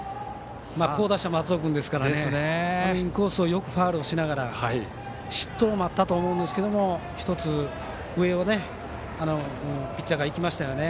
好打者松尾君ですからインコースをよくファウルをしながら失投を待ったと思うんですけど１つ上をピッチャーがいきましたよね。